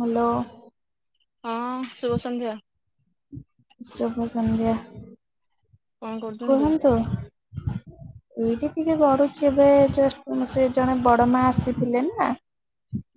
Hello. ହଁ ଶୁଭସନ୍ଧ୍ୟା। ସୁଭ ସନ୍ଧ୍ୟା। କଣ କରୁଛନ୍ତି? ଏଇଟା ଟିକେ ବଢୁଛି ଏବେ ସେ ଜଣେ ବଡ ମା ଆସିଥିଲେ ନା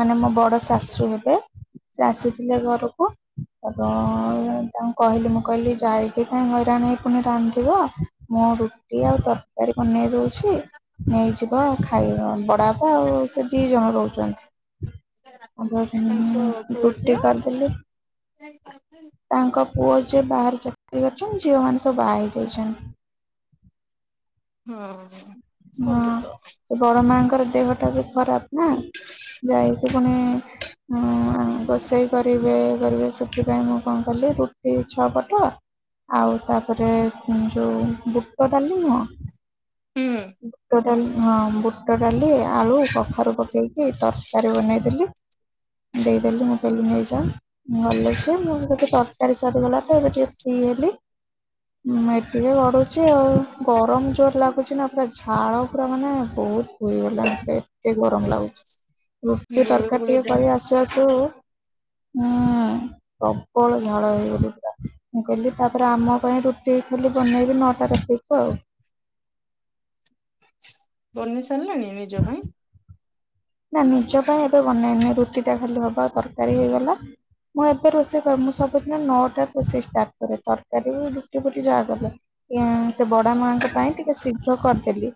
ମାନେ ମୋ ବଡ ଶାଶୁ ହେବେ। ସେ ଆସିଥିଲେ ଘରକୁ। ତ ତାଙ୍କୁ କହିଲି ମୁଁ କହିଲି ଯାଇକି ପାଇଁ ହଇରାଣ ହେଇ ପୁଣି ରାନ୍ଧିବ ମୁଁ ରୁଟି ଆଉ ତରକାରୀ ବନେଇ ଦଉଛି ଅଛି ନେଇଯିବ ଖାଇ ବଡା ଆଉ ସେ ଦି ଜଣ ରହୁଛନ୍ତି। ଆ ତାଙ୍କ ପୁଅ ରୁଟି ଝିଅ କରିଦେଥିଲି ହଁ ତାଙ୍କ ପୁଅ ସିଏ ବାହାରେ ଚାକିରି କରିଛନ୍ତି ଝିଅମାନୋନ ସବୁ ବା ହେଇଯାଇଛନ୍ତି। ହଁ ସବୁ ତ ତାଙ୍କର ଦେହଟା ବି ଖରାପ ନା ଯାଇକି ପୁଣି ରୋଷେଇ କରିବେ କରିବେ ସେଥିପାଇଁ ମୁଁ କଣ କଲି ରୁଟି ଛଅ ପଟ ଆଉ ତାପରେ ଯୋଉ ବୁଟ ତାଡାଲି ନୁହଁ ହୁଁ। ବୁଟ ଡାଲି ହଁ ବୁଟ ଡାଲି ଆଳୁ କଖାରୁ ପକେଇକି ତରକାରୀ ବନେଇଦେଲି ଦେଇଦେଲି ମୁଁ କହିଲି ନେଇଯା ଭଲ ସି ମୋ ଗଟେ ତରକାରୀ ସାରିଗଲା ତ ଏବେ ଟିକେ ଫ୍ରି ହେଲି ଟିକେ ଗଡୁଛି ଆଉ ଗରମ ଜୋର ଲାଗୁଛି ନା ପୁରା ଝାଳ ପୁରା ମାନେ ବହୁତ ହୋଇୋଇଗଲାଣି ପା ଏତେ ଗରମ ଲାଗୁଛି। ମୃ ଗୁଳୁ ତରକାରୀ ଟିକେ ଗୁଳିଟା କରି ଆସୁ ଆସୁ ହୁଁ ପ୍ରବଳ ଝାଳ ହେଇଗ ପୁରା ମୁଁ କହିଲି ତାପରେ ଆମ ପାଇଁ ରୁଟି ଖାଲି ବନେଇବେ ନଅଟା ରାତିକୁ ଆଉ ବନି ସାରିଲାଣି ପୂଜ ପାଇଁ ନା ନିଜ ପାଇଁ ଏବେ ବନେନ ରୁ ରୁଟି ଟା ଖାଲି ହବା ତରକାରୀ ହେଇଗଲା ମୁଁ ଏବେ ରୋଷେଇ କ ମୁଁ ସବୁଦିନ ନଅଟା ରୋଷେଇ ଷ୍ଟାର୍ଟ କରେ ତରକାରୀ ବୁଟି ଫୁଟି ଯାହା କଲେ ସେ ବଡ ମାଙ୍କ ପାଇଁ ଟିକେ ଶୀଘ୍ର କରିଦ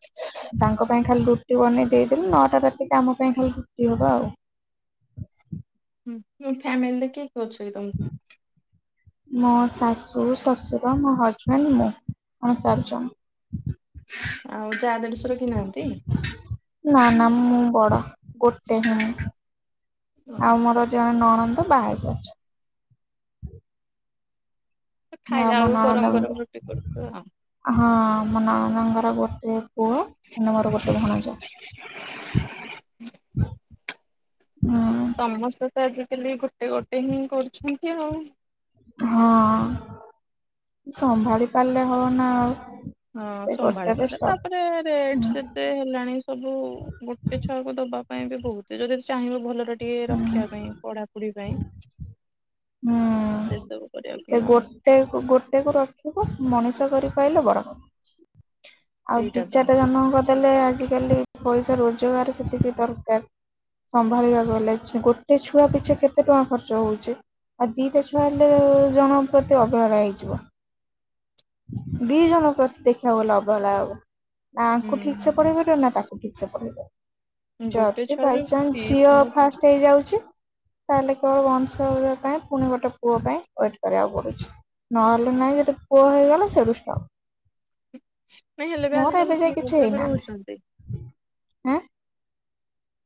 ତାଙ୍କ ପାଇଁ ଖାଲି ତୁ ଆଣି ଦେଇ ଦେଲୁ ନଅଟା ରାତିରେ ଆମ ପାଇଁ ଖାଲି ରୁଟି ହବ ଆଉ। ହଁଁ ଫ୍ୟାମିଲି ଦେଖି ହଉଛି ଏକଦମ୍। ମୋ ଶାଶୁ ଶଶୁର ମୋ ହଜବେଣ୍ଡ ମୁଁ ଆମେ ଚାରିଜଣ। ଆଉ ଯା ଦେଢସୁର କେହି ନାହାନ୍ତି? ନା ନା ମୁଁ ବଡ। ଗୋଟେ ହିଁ। ଆଉ ମୋର ଜଣେ ନଣ ଦ ବାହା ହେଇ ସରିଚନ୍ତି। ଆ ଖାଇଲା ମୋ ବେଳକୁ ନଣନ୍ଦ ଗରମ ଙ୍କ ର ଗରମ ରୁଟି କରୁଥିବ ଆଉ ହଁ। ଆମ ନଣନ୍ଦଙ୍କର ଗୋଟେ ପୁଅ ମୋର ଗୋଟେ ଭଣଜା। ନା। ସମସ୍ତେ ତ ଆଜିକାଲି ଗୋଟେ ଗୋଟେ ହିଁ କରୁଛନ୍ତି ଆଉ। ହଁ ସମ୍ଭାଳି ପାରିଲେ ହବନା ଆଉ। ହଁ ସେ ସମ୍ଭାଳ ଗୋଟେରେ ପାରିଲେ ଷ୍ଟକ୍ ତାପରେ ରେଟ ହୁଁ ସତେ ହେଲାଣି ସବୁ ଗୋଟେ ଛୁଆକୁ ଦବା ପାଇଁ ବି ବହୁତ ଯଦି ଚାହିଁ ଭଲରେ ଗୋଟିଏ ହୁଁ ରଖିବା ପାଇଁ ପଢାପଢି ପାଇଁ ହୁଁ। ସେ ସବୁ କରିବାକୁ ସେ ହିଁ ଆଉ ଗୋଟେ ଗୋଟେ କୁ ରଖିବୁ ମଣିଷ କରି ପାଇଲେ ବଡକଥା। ଆଉ ଦି ସେଇଟା ତ ଚାରଟା ଜନ୍ମ କରିଦେଲେ ଆଜିକାଲି ପଇସା ରୋଜଗାର ସେତିକି ଦରକାର ସମ୍ଭାଳିବାକୁ ହେଲେ ଗୋଟେ ଛୁଆ ପିଛେ କେତେ ଟଙ୍କା ଖର୍ଚ୍ଚ ହଉଛି ଆଉ ଦିଟା ଛୁଆ ହେଲେ ଜଣଙ୍କ ପ୍ରତି ଅବେହେଳା ହେଇଯିବ। ଦୁଇ ଜଣଙ୍କ ପ୍ରତି ଦେଖିବା ଗଲେ ଅବେହେଳା ହବ। ନା ଆଙ୍କୁ ଠିକ ସେ ପଢେଇ ହୁଁ ପାରିବ ନା ତାକୁ। ଚିକିତ୍ସା କରିବ। ଗୋଟେ ଯଦି ଛୁଆ ଯୋଉ ବାଇଚାନ୍ସ ଫିସ୍ ଝିଅ ଫାଷ୍ଟ ନଉଛନ୍ତି ହେଇଯାଉଛି ତାହେଲେ କେବଳ ବଂଶ ପାଇଁ ପୁଣି ଗୋଟେ ପୁଅ ପାଇଁ ୱେଟ୍ କରିବାକୁ ପଡୁଛି। ନହେଲେ ନାହିଁ ଯଦି ପୁଅ ହେଇଗଲା ସେଏଠୁ ଷ୍ଟପ୍। ନ ହେଲେ ବି ମୋର ଏବେ ଆଜିକାଲି ଝିଅ ଉପରେ ବି ରହୁଛନ୍ତି। ଆଁ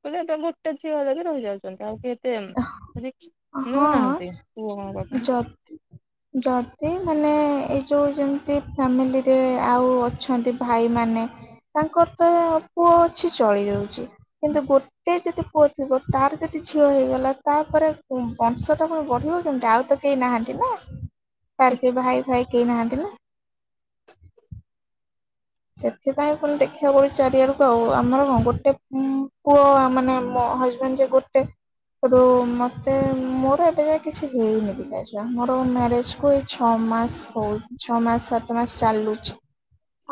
କି ଏ ଗୋଟେ ଝିଅ ଲାଗି ରହିଯାଉଛନ୍ତି ଆଉ କେହି [inaudible] ଆଁ ହଁ ନେଉନାହାନ୍ତି ପୁଅ ହବା ଯଦି ପାଇଁ। ଯଦି ମାନେ ଏଇ ଯୋଉ ଯେମିତି ଫ୍ୟାମିଲିରେ ଆଉ ଅଛନ୍ତି ଭାଇମାନେ ତାଙ୍କର ତ ପୁଅ ଅଛି ଚଳି ଯାଉଛି। କିନ୍ତୁ ଗୋଟେ ଯଦି ପୁଅ ଥିବ ତାର ଯଦି ଝିଅ ହେଇଗଲା ତାପରେ ବଂଶଟା ପୁଣି ବଢିବ କେମତି ଆଉ ତ କେହି ନାହାନ୍ତି ନା। ତାର କି ଭାଇ ଫାଇ କେହି ନାହାନ୍ତି। [inaudible] ସେଥିପାଇଁ ପୁଣି ଦେଖିବାକୁ ପଡୁଛି ଚାରିଆଡକୁ ଆଉ ଆମର କଣ ଗୋଟେ ପୁଅ ମାନେ ମୋ ହଜବେଣ୍ଡ ଯେ ଗୋଟେ ସେଠୁ ମତେ ମୋର ଏବେ ଯାଏ କିଛି ହେଇନି ପିଲା ଛୁଆ ମୋର ମ୍ୟାରେଜ କୁ ଏଇ ଛଅ ମାସ ହଉ ଛଅ ମାସ ସାତ ମାସ ଚାଲୁଛି।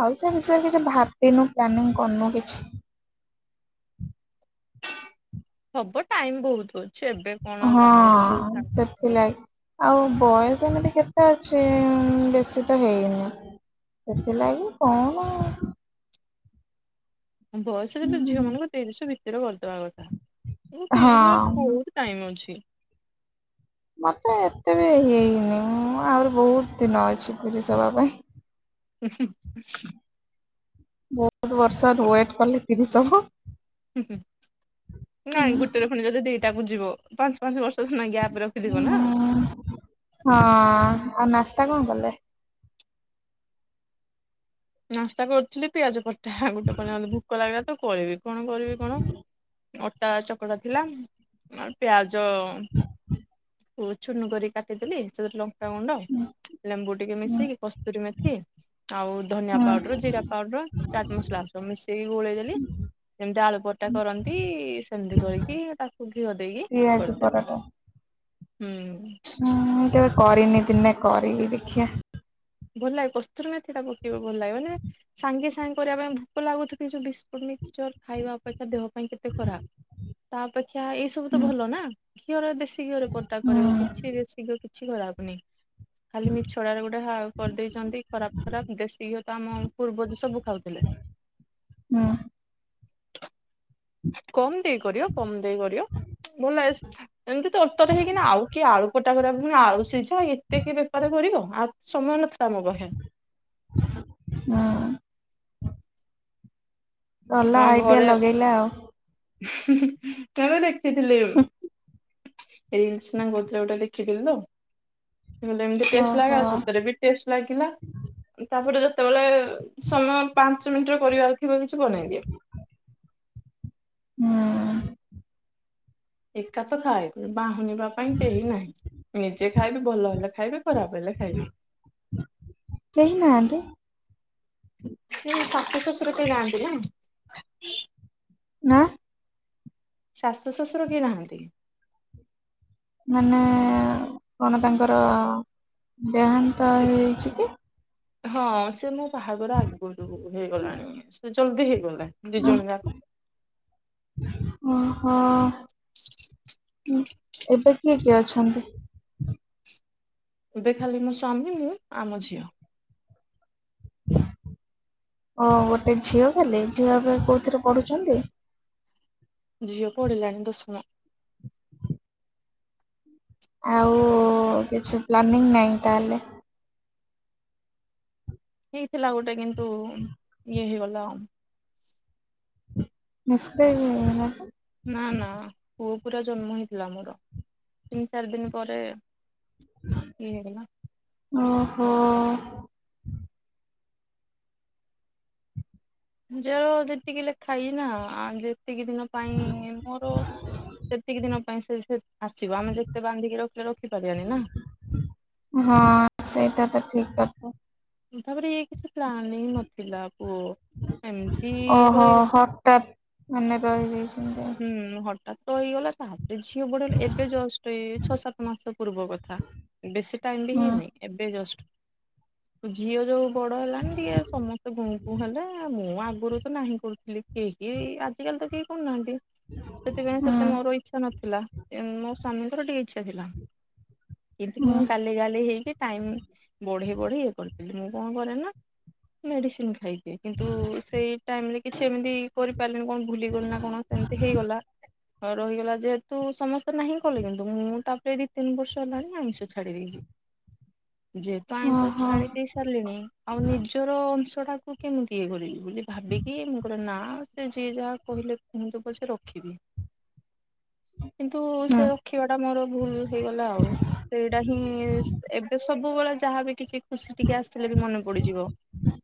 ଆଉ ସେ ବିଷୟରେ କିଛି ଭାବିନୁ ପ୍ଲାନିଂ କରିନୁ କିଛି। ହବ ଟାଇମ ବହୁତ। ଅଛି ଏବେ କଣ ହଁ ବାହାଘର ହଉ ସେଥିଲାଗି ଆଉ ବୟସ ଏମିତି କେତେ ଅଛି ବେଶୀ ତ ହେଇନି ସେଥିଲାଗି କଣ ବୟସରେ ତ ଝିଅ ଉଁ, ମାନଙ୍କ ତିରିଶି ଭି କରିଦବା କଥା। ମୁଁ [inaudible] ହଁ ବହୁତ ଟାଇମ ଅଛି। ମତେ ଏତେ ବି ହେଇନି ମୁଁ ଆହୁରି ବହୁତ ଦିନ ଅଛି ତିରିଶି ହବା ପାଇଁ। [inaudible] ବହୁତ ବର୍ଷ ୱେଟ କଲେ ତିରିଶି ହବ। ଉଁ, ନାଇଁ ଗୋଟେ ରେ ଯଦି ପୁଣି ଦି ଟାକୁ ଯିବ ପାଞ୍ଚ ପାଞ୍ଚ ବର୍ଷ ଗ୍ୟାପ ଉଁ, ରଖିଥିବ ନା। ହଁ ଆଉ ନାସ୍ତା କଣ କଲେ। ନାସ୍ତା କରୁଥିଲି ପିଆଜ ପ ଗୋଟେ ମତେ ଭୋକ ଲାଗିଲା ତ ତ କରିବି କଣ କରିବି କଣ ଅଟା ଚକଟା ଥିଲା ଆ ପିଆଜ ଯ ଚୁନୁ କରି କାଟିଦେଲି ସେଥିରେ ଲ୍ ଲଙ୍କା ଗୁଣ୍ଡ ଲେମ୍ବୁ ଟିକେ ଉଁ, ମିଶେଇିକି କସ୍ତୁରୀ ମେଥି ଆଉ ଧନିଆ ହୁଁ ପାଉଡର ଜିରା ପାଉଡର ଚାଟ୍ ମସଲା ସବୁ ମିଶେଇକି ଗୋଳେଇଦେଲି ଯେମିତି ଆଳୁ ପରଟା କରନ୍ତି ସେମିତି କରିକି ତାକୁ ଘିଅ ଦେଇକି ପିଆଜି କରିଦେଲି। ପରଟା ହୁଁ। [inaudible] କରିନି ଦିନେ କରିବି ଦେଖିଆ। ଭଲ ଲାଗେ। କସ୍ତୁରୀ ମେଥି ତ ପକେଇବ ଭଲ ଲାଗେ ମାନେ ସାଙ୍ଗେ କରିବା ପାଇଁ ଭୋକ ଲାଗୁଥିବ ଯୋଉ ବିସ୍କୁଟ ମିକ୍ସଚର୍ ଖାଇବାଅପେକ୍ଷା ଦେହ ପାଇଁ କେତେ ଖରାପ ତା ଅପେକ୍ଷା ଏଇ ସବୁ ତ ହୁଁ ଭଲ ନା। ଖିଅର ବେ ଶୀଘରେ କଟା ହୁଁ କରିବ କିଛିରେ ଶୀଘ କିଛି କରା ହବନି। ଖାଲି ମିଛ ଟାରେ ଗୋଟେ ହାଉ ଦେଇଚନ୍ତି ଖରାପ ଖରାପ ଦେଶୀ ଘିଅ ତ ଆମ ପୂର୍ବଜ ସବୁ ଖାଉଥିଲେ। ହୁଁ। କମ୍ ଦେଇ କରିବ କମ ଦେଇ କରିବ। ଭଲ ଲାଗ ଏମିତି ତର୍ ତର୍ ହେଇକିନା ଆଉ କିଏ ଆଳୁ ପ କରିବା ଆଉ। ସେ ଯା ଏତେ କିଏ ବେପାର କରିବ। ଆଉ ସମୟ ନ କାମ ବହେ। ହୁଁ ଭଲ ଆଇଡିଆ ଲଗେଇଲା ଆଉ। ଚଲ ଦେଖ ସେଥିଥିଲେ। ରିଲ୍ସ ନାଁ କୋଉଥିରେ ଗୋଟେ ଦେଖିଥିଲି ତ। ଏମତି ଟେଷ୍ଟ ଲାଗିଲା ଓହୋ ଆଉ ସତରେ ବି ଟେଷ୍ଟ ଲାଗିଲା। ତାପରେ ସେତେବେଳେ ସମୟ ପାଞ୍ଚ ମିନିଟ୍ ରେ କରିବାର ଥିବ କିଛି ବନେଇ ଦି ହୁଁ ଏକା ତ ଥାଏ। ଶୁଣିବା ପାଇଁ କେହି ନାହିଁ। ନିଜେ ଖାଇବି ଭଲ ହେଲେ ଖାଇବି ଖରାପ ହେଲେ ଖାଇବି। କେହି ନାହାନ୍ତି [inaudible] ଶାଶୁ ଶଶୁର କେହି ନାହାନ୍ତି ନା। [inaudible] ନାଁ। ଶାଶୁ ଶ୍ୱଶୁର କେହି ନାହାଁନ୍ତି। ମାନେ କଣ ତାଙ୍କର ଦେହାନ୍ତ ହେଇଛି କି? ହଁ ସେ ମୁଁ ବାହାଘର ଆଗୁରୁ ହେଇଗଲାଣି। ସେ ଜଲଦି ହେଇଗଲେ। ଦିଜଣ ଯାକ। ଓହୋ ଏବେ କିଏ କିଏ ଅଛନ୍ତି। ଏବେ ଖାଲି ମୋ ସ୍ଵାମୀ ମୁଁ ଆମ ଝିଅ। ଓ ଗୋଟେ ଝିଅ ଖାଲି, ଝିଅ ଏବେ କୋଉଥିରେ ପଢୁଛନ୍ତି। ଝିଅ ପଢିଲାଣି ଦଶମ। ଆଉ କିଛି ପ୍ଲାନିଂ ନା, ତାହେଲେ। ହେଇଥିଲା ଗୋଟେ, କିନ୍ତୁ ଇଏ ହେଇଗଲା ଆଉ। ମିଷ୍ଟେକ ହେଇଗଲା। ନା, ନା ପୁଅ ପୁରା ଜନ୍ମ ହେଇଥିଲା, ମୋର ତିନି, ଚାରି ଦିନ ପରେ ଇଏ ହେଇଗଲା। ଓହୋ। ଯଉ ଯେତିକି ଲେଖା ଇ ନା ସେତିକି ଦିନ ପାଇଁ ମୋର ସେତିକି ଦିନ ପାଇଁ ସେ ଆସିବ, ଆମେ ଯେତେ ବାନ୍ଧିକି ରଖିଲେ ରଖିପାରିବାନି, ନା। ହଁ ସେଇଟା ତ ଠିକ କଥା। ତାପରେ, ଇଏ କିଛି ପ୍ଲାନିଂ ନଥିଲା, ପୁଅ ଏମିତି ଓହୋ ରହିଗଲା। ହଠାତ୍ ମାନେ ରହିଯାଇଛନ୍ତି ହୁଁ, ହଟାତ। ରହିଗଲା, ତା ଝିଅ ବଡ ହେଲେ, ଏବେ ଜଷ୍ଟ ଏ ଛଅ, ସାତ ମାସ ପୂର୍ବ କଥା, ବେଶୀ ଟାଇମ ବି ହୁଁ ହେଇନି, ଏବେ ଜଷ୍ଟ। ଝିଅ ଯୋଉ ବଡ ହେଲାଣି, ଟିକେ ସମସ୍ତେ ଗୁଁ, ପୁଁ ହେଲେ ମୁ ଆ ଗୁରୁ ତ ନାହିଁ କରୁଥିଲେ, କିଏ, କିଏ ଆଜିକାଲି ତ କେହି କରୁନାହାନ୍ତି। ସେଥିପାଇଁ, ସେତେ ହୁଁ ମୋର ଇଚ୍ଛା ନଥି ଥିଲା, ମୋ ସ୍ଵାମୀଙ୍କର ଟିକେ ଇଚ୍ଛା ଥିଲା। ଏମତିକି, ହୁଁ ମୁଁ ଗାଲେଇ ଗାଲେଇ ହେଇକି, ଟାଇମ ବଢେଇ ବଢି ଇଏ କରିଦେଲି, ମୁଁ କଣ କରେ, ନା ମେଡିସିନ ଖାଇ କିନ୍ତୁ ସେଇ ଟାଇମ ରେ, କିଛି ଏମତି କରିପାର ମାନେ କଣ, ଭୁଲି ଗଲି ନା କଣ। ସେମତି ହେଇଗଲା। ହ ରହିଗଲା, ଯେହେତୁ ସମସ୍ତେ ନାହିଁ କଲେ, କିନ୍ତୁ ମୁଁ ତାପରେ ଏ ଦି, ତିନି ବର୍ଷ ହେଲାଣି ଆଇଁଷ ଛାଡିି ଦେଇଚି। ଯେହେତୁ ଆଇଁଷ ଓହୋ ଛାଡି ଦେଇ ସାରିଲିଣି, ଆଉ ନିଜର ଟା କୁ କେମିତି, ଇଏ କରିବି। ବୋଲି ଭାବିକି, ମୁଁ କହିଲି, ନାଁ ସେ, ଯିଏ ଯାହା କହିଲେ ମୁଁ ତ କହୁଚି, ରଖିବି। କିନ୍ତୁ ହୁଁ ସେ ରଖିବା ଟା ମୋର ଭୁଲ ହେଇଗଲା, ଆଉ ସେଇଟା ହିଁ, ଏବେ ସବୁବେଳେ ଯାହା ବି କିଛି ଖୁସି ଟିକେ ଆସିଥିଲେ ବି ମନେ ପଡିଯିବ,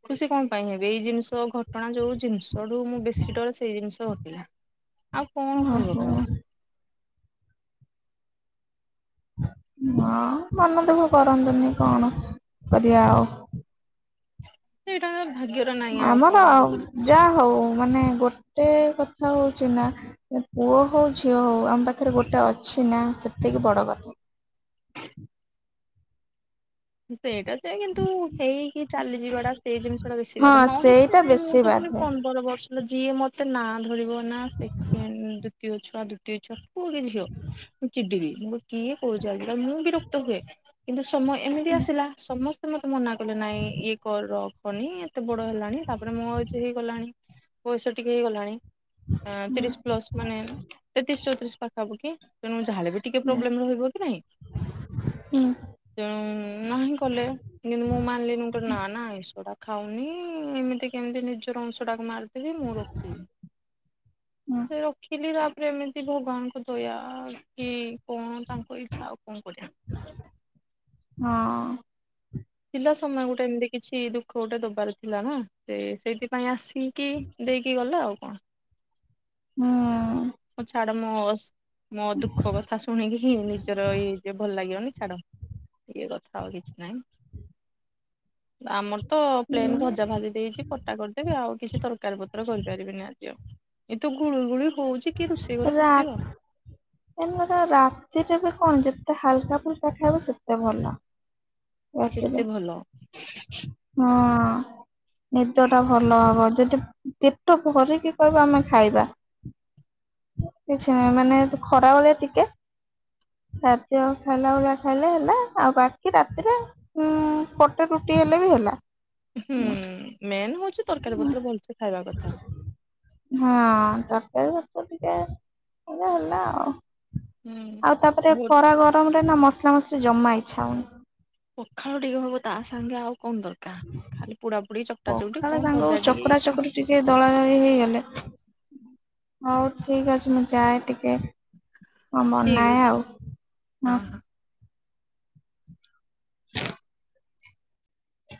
ଖୁସି କଣ ପାଇଁ ହେବି, ଏଇ ଜିନିଷ ଘଟଣା ଯୋଉ ଜିନିଷଠୁ ମୁଁ ବେଶୀ ଡରେ, ସେଇ ଜିନିଷ ଘ [inaudible] ଆଉ କଣ କହିବ ଓହୋ କକୁ ହଁ ହ ମନ ଦେଖ କରନ୍ତୁନି କଣ କରିବା ଆଉ। ସେଇଟା ଭାଗ୍ୟରେ ନାହିଁ ଆଉ ଆମର କଣ ଯୋଉ ଯାହା ହଉ ମାନେ ଗୋଟେ କଥା ହଉଛି ନା ପୁଅ ହଉ ଝିଅ ହଉ ଆମ ପାଖରେ ଗୋଟେ ଅଛି ନା। ସେତିକି ବଡ କଥା। ସେଇଟା ତ କିନ୍ତୁ ହେଇକି ଚାଲିଯିବାଟା ସେଇ ଜିନିଷ ଟା ବେଶୀ ବା ହଁ ନ ହେତ ସେଇଟା ନାଇଁ ମୁଁ ବେଶୀ ତ ବାଧେ ପନ୍ଦର ବର୍ଷ ଯିଏ ମତେ ନାଁ ଧରିବ ନା ସେକେଣ୍ଡ ଦ୍ୱିତୀୟ ଛୁଆ ଦ୍ୱିତୀୟ ଛୁଆ। ବୁ କିଛି ଚିଡି ବି। ମୁ କିଏ କରୁଛି ମୁଁ ବିରକ୍ତ ହୁଏ କିନ୍ତୁ ସମୟ ହୁଁ ଆସିଲା ସମସ୍ତେ ମତେ ମନା ନାଇ ଏକ ର ନି ଏତେ ବଡ ହେଲାଣି ତାପରେ ମଁ ଆଉଛି ହେଇଗଲାଣି ପଇସା ଟିକେ ହେଇଗଲାଣି। ହୁଁ ତିରିଶ ପ୍ଲସ ମାନେ ତେତିଶ ଚଉତିରିଶ ପାଖାପ କି। କଣ ଯାହା ହେଲେ ବି ଟିକେ ହୁଁ ପ୍ଲୋବବେମ ରହିବ ନା ନାହିଁ ହୁଁ ତେଣୁ ନାହିଁ କଲେ କିନ୍ତୁ ମୁଁ ମାନିଲିନି ଗୋଟେ ନା ନା ଏଟା ଖାଉନି ଏମିତି କେମିତି ନିଜର ଅଂଶ ଟାକୁ ମାର ସେ ମୁଁ ରଖିବି ହୁଁ ସେ ରଖିଲି। ଏମିତି ଭଗବାନଙ୍କୁ ଦୟ କି କଣ ତାଙ୍କ ଇଛା ଆଉ କଣ କରିବା। ହଁ ଥିଲା ସମୟ ଗୋଟେ ଏମିତି କିଛି ଦୁଃଖ ଗୋଟେ ଦବାର ଥିଲା ନା ସେ ସେଇଥିପାଇଁ ଆସ ପିଙ୍କି ଦେଇକି ଗଲା ଆଉ। [inaudible] ମୁ ଚାଡ଼ ମୁ ମୋ ଦୁଃଖ କଥା ଶୁଣିକି ହିଁ ନିଜର ଏଇ ଯ ଭଲ ଲାଗିବନି। ଛାଡ ଇଏ କଥା ଆଉ କିଛି ନାହିଁ ହିଁ ଆମର ତ ପ୍ଲେନ୍ ଭଜା ହୁଁ ଭାଜି ଦେଇଛି କଟା କରିଦେବି ଆଉ କିଛି ତରକାରୀ ପତ୍ର କରିପାରିବିନି ଆଜି ଆଉ। ଏଇ ତ ଗୁଳି ଗୁଳି ହ ରା ଏ ରାତିରେ ବି କଣ ଯେ ତେ ହାକା ଫୁଲକା ଖାଇବ ସେତେ ଭଲ। ଯେତେ ରାତିରେ ଭଲ ହଁ। ନିଦ ଟା ଭଲ ହବ। ଯଦି ପେଟ ଭରିକି କହିବ ଆମେ ଖାଇବା କିଛି ନାହିଁ ମାନେ ଖରାବେଳେ ଟିକେ ଖାଦ୍ୟ ଖାଇଲା ଭଳିଆ ଖାଇଲେ ହେଲା ଆଉ ବାକି ରାତିରେ ଉଁ ପଟେ ରୁଟି ହେଲେ ବି ହେଲା। ହୁଁ ମେନ୍ ହଉଛି ତରକାରୀ ପତ୍ର ଭଲସେ ଖାଇବା କଥା। ହଁ ତରକାରୀ ତ ଟିକେ ହେଲେ ହେଲା ଆଉ। ହୁଁ। ଆଉ ତାପରେ ହଉ ଖରା ଗରମରେ ନା ମ ମସଲା ମସଲି ଜମା ଇଚ୍ଛା ହଉନି। ପଖାଳ ଟିକେ ହବ ତା ସାଙ୍ଗେ ଆଉ କଣ ଦରକାର। ଖାଲି ପୋଡା ପୋଡି ଚକଟା ଚକଟି ପଖାଳ କଣ ସାଙ୍ଗକୁ ଭଜା ଟିକେ ଚକଟା ଚକଟି ଟିକେ ଦଳା ଦଳି ହେଇଗଲେ ହଉ ଠିକ୍ ଅଛି ମୁଁ ଯାଏ ଟିକେ ହଁ ମୋର ଠିକ ନାଇଁ ଅଛି ଆଉ ହଁ। [unintelligible]